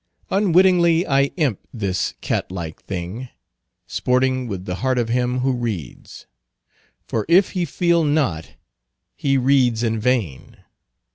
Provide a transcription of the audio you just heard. Unwittingly I imp this cat like thing, sporting with the heart of him who reads; for if he feel not he reads in vain.